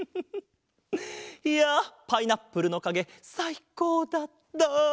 いやパイナップルのかげさいこうだった。